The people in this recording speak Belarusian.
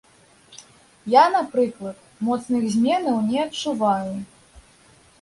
Я, напрыклад, моцных зменаў не адчуваю.